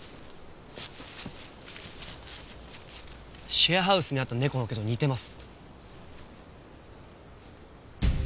シェアハウスにあった猫の毛と似てます。